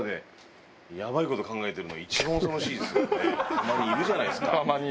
たまにいるじゃないですか。